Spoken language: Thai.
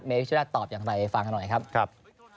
เมฟิชาตาตอบอย่างไรฟังกันหน่อยครับ